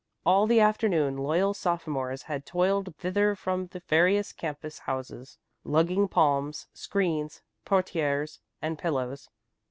All the afternoon loyal sophomores had toiled thither from the various campus houses, lugging palms, screens, portières and pillows.